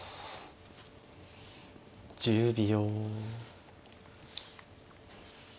１０秒。